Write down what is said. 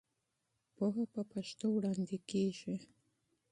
پوهه په پښتو وړاندې کېږي.